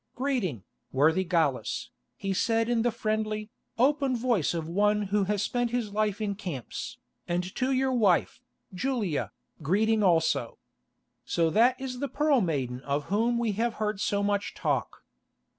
"Greeting, worthy Gallus," he said in the friendly, open voice of one who has spent his life in camps, "and to your wife, Julia, greeting also. So that is the Pearl Maiden of whom we have heard so much talk.